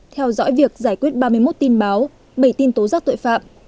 theo dõi việc giải quyết ba mươi một tin báo bảy tin tố giác tội phạm